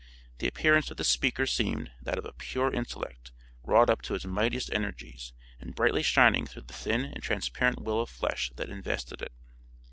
The appearance of the speaker seemed that of a pure intellect wrought up to its mightiest energies and brightly shining through the thin and transparent will of flesh that invested it."